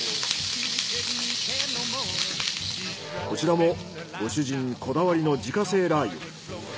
こちらもご主人こだわりの自家製ラー油。